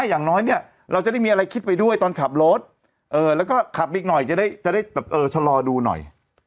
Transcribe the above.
อย่างน้อยเนี่ยเราจะได้มีอะไรคิดไปด้วยตอนขับรถแล้วก็ขับอีกหน่อยจะได้แบบเออชะลอดูหน่อย